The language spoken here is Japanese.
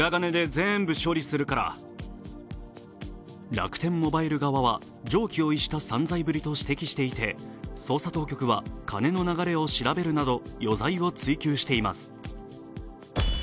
楽天モバイル側は常軌を逸した散財ぶりと指摘していて捜査当局は金の流れを調べるなど余罪を追及しています。